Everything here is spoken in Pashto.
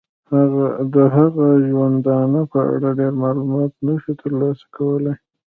د هغه د ژوندانه په اړه ډیر معلومات نشو تر لاسه کولای.